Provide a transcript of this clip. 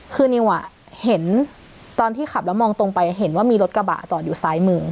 คือนิวเห็นตอนที่ขับแล้วมองตรงไปเห็นว่ามีรถกระบะจอดอยู่ซ้ายมือ